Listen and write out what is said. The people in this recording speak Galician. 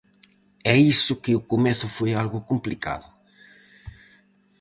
E iso que o comezo foi algo complicado.